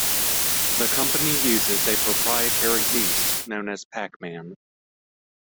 The company uses a proprietary yeast known as "Pacman".